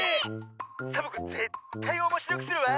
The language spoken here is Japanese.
サボ子ぜったいおもしろくするわ！